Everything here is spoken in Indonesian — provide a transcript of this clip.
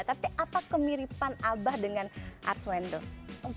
tapi apa kemiripan abah dengan ars wendel